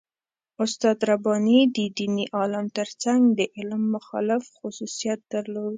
استاد رباني د دیني عالم تر څنګ د علم مخالف خصوصیت درلود.